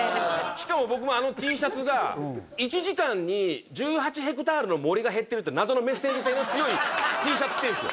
しかも僕もあのＴシャツが「１時間に１８ヘクタールの森が減ってる」って謎のメッセージ性の強いＴシャツ着てるんですよ